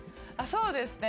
そうですね